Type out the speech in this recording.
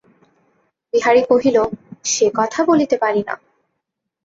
বিহারী কহিল, সে কথা বলিতে পারি না।